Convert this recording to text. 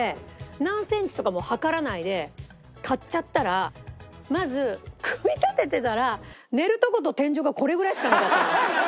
何センチとかも測らないで買っちゃったらまず組み立ててたら寝るとこと天井がこれぐらいしかなかったの。